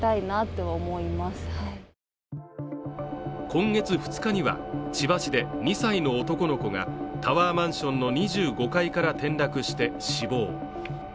今月２日には千葉市で２歳の男の子がタワーマンションの２５階から転落して死亡。